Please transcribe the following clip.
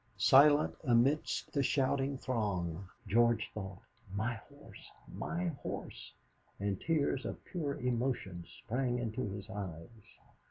Silent amidst the shouting throng, George thought: 'My horse! my horse!' and tears of pure emotion sprang into his eyes.